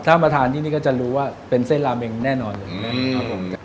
ถ้ามาทานที่นี่ก็จะรู้ว่าเป็นเส้นลาเมงแน่นอนครับผม